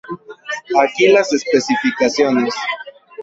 Aquí las especificaciones